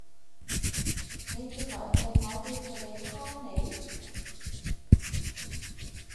你以為係我叫佢哋㗇你？